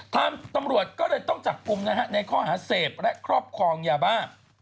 ตำรวจก็เลยต้องจับกลุ่มนะฮะในข้อหาเสพและครอบครองยาบ้า